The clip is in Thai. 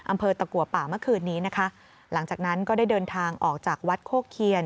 อำเภอตะกัวป่าเมื่อคืนนี้นะคะหลังจากนั้นก็ได้เดินทางออกจากวัดโคกเคียน